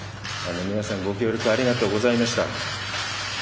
皆さん、ご協力ありがとうございました。